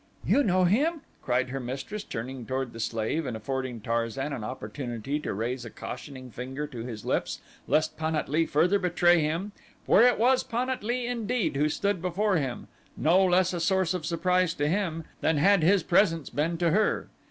"You know him?" cried her mistress turning toward the slave and affording Tarzan an opportunity to raise a cautioning finger to his lips lest Pan at lee further betray him, for it was Pan at lee indeed who stood before him, no less a source of surprise to him than had his presence been to her.